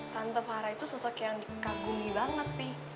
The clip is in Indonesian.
tante farah itu sosok yang dikagumi banget pi